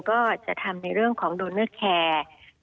ก็จะทำในเรื่องของโดนเนอร์แคร์